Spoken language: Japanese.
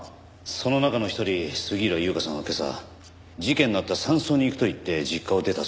その中の一人杉浦優花さんは今朝事件のあった山荘に行くと言って実家を出たそうです。